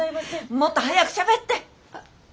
もっと早くしゃべって！